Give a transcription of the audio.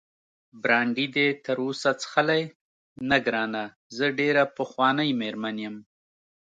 برانډي دې تراوسه څښلی؟ نه ګرانه، زه ډېره پخوانۍ مېرمن یم.